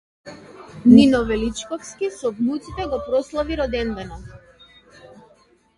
Нино Величковски со внуците го прослави роденденот